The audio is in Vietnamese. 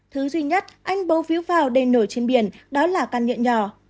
thứ duy nhất anh bầu phiếu vào để nổi trên biển đó là căn nhựa nhỏ